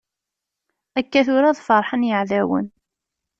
Akka tura ad ferḥen yeɛdawen.